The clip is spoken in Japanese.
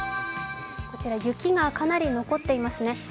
こちら雪がかなり残っていますね。